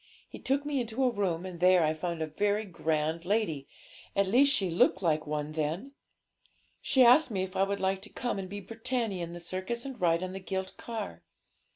He took me into a room, and there I found a very grand lady at least she looked like one then. She asked me if I would like to come and be Britannia in the circus and ride on the gilt car.'